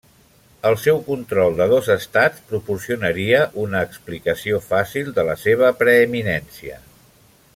El seu control de dos estats proporcionaria una explicació fàcil de la seva preeminència.